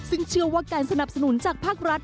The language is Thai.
ซึ่งเชื่อว่าการสนับสนุนจากภาครัฐ